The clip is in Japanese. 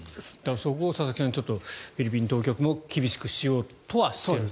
そこを佐々木さんフィリピン当局も厳しくしようとはしていると。